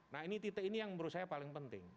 nah ini titik ini yang menurut saya paling penting